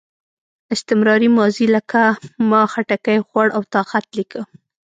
استمراري ماضي لکه ما خټکی خوړ او تا خط لیکه.